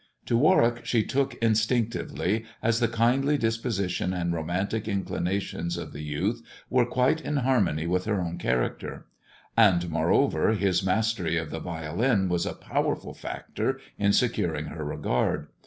To Warwick she took instinctively, as the kindly disposi tion and romantic inclinations of the youth were quite in harmony with her own character; and, moreover, his mastery of the violin was a powerful factor in securing her regard.